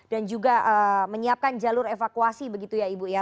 dan juga menyiapkan jalur evakuasi begitu ya ibu ya